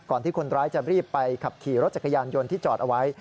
ที่คนร้ายจะรีบไปขับขี่รถจักรยานยนต์ที่จอดเอาไว้